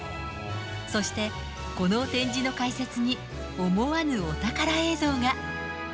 そして、この展示の解説に、思わぬお宝映像が。